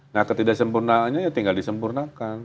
nah ketidaksempurnaannya ya tinggal disempurnakan